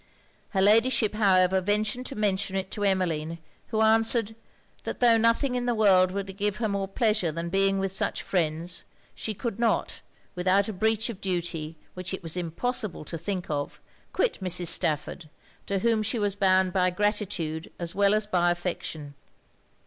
Her Ladyship however ventured to mention it to Emmeline; who answered, that tho' nothing in the world would give her more pleasure than being with such friends, she could not, without a breach of duty which it was impossible to think of, quit Mrs. Stafford, to whom she was bound by gratitude as well as by affection.